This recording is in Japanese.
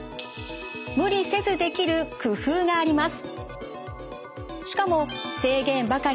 無理せずできる工夫があります。